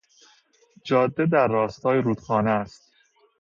جاده در راستای رودخانه است.